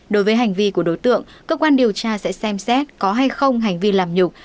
đối với hành vi của đối tượng cơ quan điều tra sẽ xem xét có hay không hành vi làm nhục